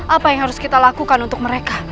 apa yang harus kita lakukan untuk mereka